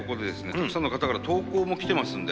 たくさんの方から投稿も来てますので。